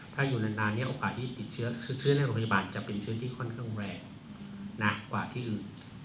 ถ้าอยู่นานเนี่ยโอกาสที่ติดเชื้อคือคลื่นในโรงพยาบาลจะเป็นพื้นที่ค่อนข้างแรงหนักกว่าที่อื่น